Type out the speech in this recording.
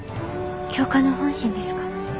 教官の本心ですか？